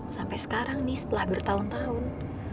sampai sekarang nih setelah bertahun tahun